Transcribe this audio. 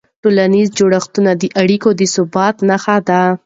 ټولنیز جوړښت د اړیکو د ثبات نښه ده.